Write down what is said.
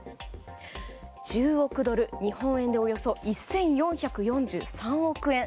１０億ドル日本円でおよそ１４４３億円。